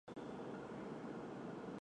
因此一直追捕至地球。